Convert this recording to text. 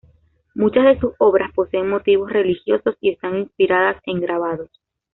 Muchas de sus obras poseen motivos religiosos y están inspiradas en grabados.